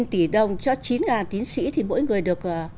một mươi hai tỷ đồng cho chín tiến sĩ thì mỗi người được